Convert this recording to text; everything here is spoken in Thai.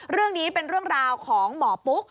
เรื่องนี้เป็นเรื่องราวของหมอปุ๊ก